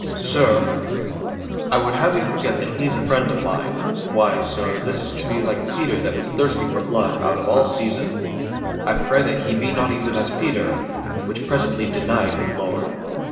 "Sir, I would have you forget that he is friend of mine. Why, sir, this is to be like Peter that was thirsty for blood out of all season. I pray that he be not even as Peter, which presently denied his Lord."